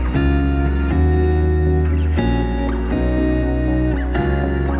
เปลี่ยนค่ะ